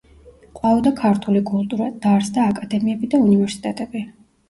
ყვაოდა ქართული კულტურა, დაარსდა აკადემიები და უნივერსიტეტები.